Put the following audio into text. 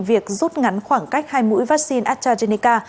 việc rút ngắn khoảng cách hai mũi vaccine astrazeneca